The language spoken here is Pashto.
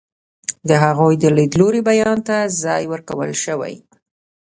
د هغوی د لیدلوري بیان ته ځای ورکړل شوی.